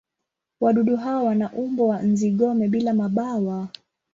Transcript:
Wadudu hawa wana umbo wa nzi-gome bila mabawa.